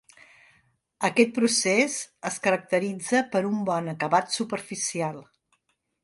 Aquest procés es caracteritza per un bon acabat superficial.